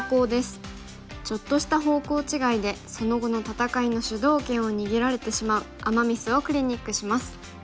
ちょっとした方向違いでその後の戦いの主導権を握られてしまうアマ・ミスをクリニックします。